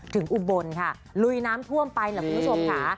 อุบลค่ะลุยน้ำท่วมไปแหละคุณผู้ชมค่ะ